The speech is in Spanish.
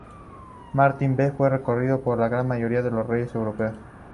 Martín V fue reconocido por la gran mayoría de los reyes europeos.